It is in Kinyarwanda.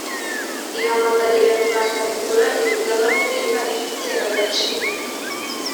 ihamagarira rubanda kugura imigabane iba ifite agaciro